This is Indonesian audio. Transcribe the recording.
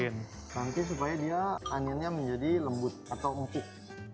nanti supaya dia aninnya menjadi lembut atau empuk